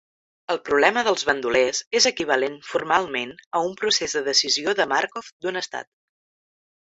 El problema dels bandolers és equivalent formalment a un procés de decisió de Markov d"un estat.